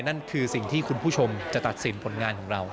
นั่นคือสิ่งที่คุณผู้ชมจะตัดสินผลงานของเรา